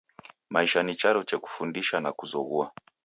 Maisha ni charo che kufundisha na kuzoghua.